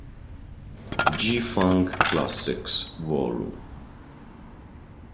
G-Funk Classics, Vol.